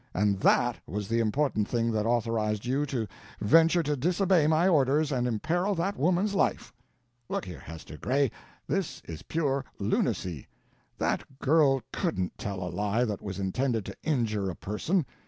And _that _was the important thing that authorized you to venture to disobey my orders and imperil that woman's life! Look here, Hester Gray, this is pure lunacy; that girl couldn't tell a lie that was intended to injure a person.